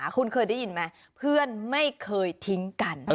คุณเคยได้ยินไหมเพื่อนไม่เคยทิ้งกัน